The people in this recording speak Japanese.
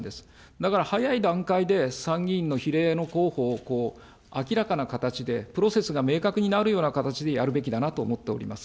だから、早い段階で参議院の比例の候補を明らかな形で、プロセスが明確になるような形でやるべきだなと思っております。